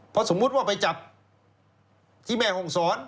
เพราะสมมุติว่าไปจับที่แม่ห้องศร